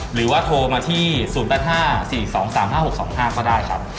หรือว่าโทรมาที่๐๘๕๔๒๓๕๖๒๕ก็ได้ครับ